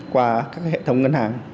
qua các hệ thống ngân hàng